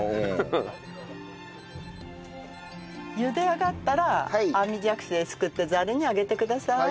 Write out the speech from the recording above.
ゆで上がったら網じゃくしですくってザルにあげてください。